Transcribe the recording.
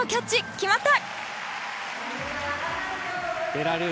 決まった！